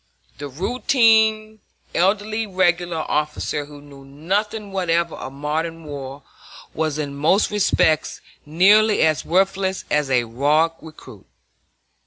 The routine elderly regular officer who knew nothing whatever of modern war was in most respects nearly as worthless as a raw recruit.